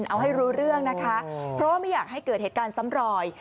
เอาให้รู้เรื่องนะคะพรบไว้อย่างเห้อเครื่องเหตุการณ์ซ้ำรอย